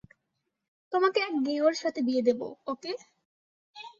তোমাকে এক গেঁয়োর সাথে বিয়ে দেব, ওকে?